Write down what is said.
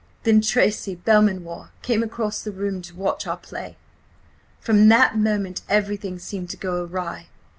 Then Tracy Belmanoir came across the room to watch our play. From that moment everything seemed to go awry.